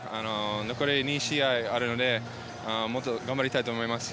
残り２試合あるのでもっと頑張りたいと思います。